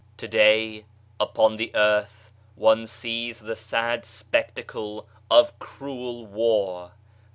To day, upon the earth, one sees the sad spectacle of cruel war